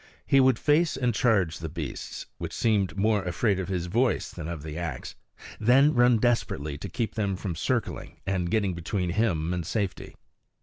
He would face and charge the beasts, which seemed more afraid of his voice than of the axe, then run desperately to keep them from circling and getting between him and safety.